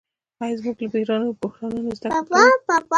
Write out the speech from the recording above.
آیا موږ له بحرانونو زده کړه کوو؟